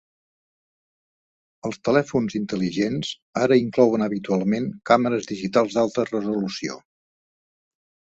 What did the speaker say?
Els telèfons intel·ligents ara inclouen habitualment càmeres digitals d'alta resolució.